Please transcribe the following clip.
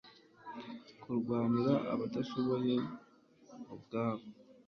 kurwanira abadashoboye ubwabo